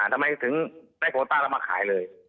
ทำไมถึงได้โคต้าแล้วมาขายเลย